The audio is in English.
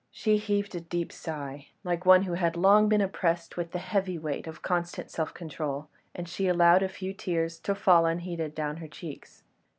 She heaved a deep sigh, like one who had long been oppressed with the heavy weight of constant self control, and she allowed a few tears to fall unheeded down her cheeks.